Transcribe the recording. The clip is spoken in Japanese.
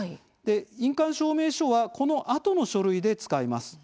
印鑑証明書はこのあとの書類で使います。